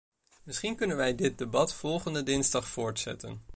Misschien kunnen wij dit debat volgende dinsdag voortzetten.